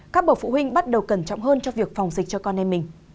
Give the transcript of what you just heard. các bậc phụ huynh bắt đầu cẩn trọng hơn cho việc phòng dịch cho con em mình